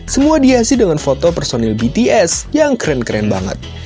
semua dihiasi dengan foto personil bts yang keren keren banget